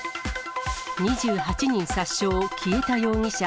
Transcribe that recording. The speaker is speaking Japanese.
２８人殺傷、消えた容疑者。